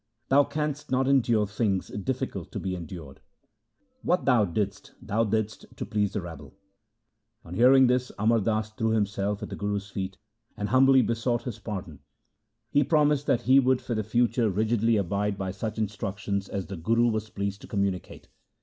Thou canst not endure things difficult to be endured. What thou didst, thou didst to please the rabble.' On hearing this, 1 Wadhans ki War. LIFE OF GURU ANGAD 39 Amar Das threw himself at the Guru's feet and humbly besought his pardon. He promised that he would for the future rigidly abide by such instruc tions as the Guru was pleased to communicate.